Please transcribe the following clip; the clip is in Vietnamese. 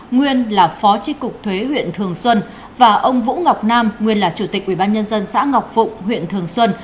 nguyên là phó tri cục thuế huyện thường xuân và ông vũ ngọc nam nguyên là chủ tịch ubnd xã ngọc phụng huyện thường xuân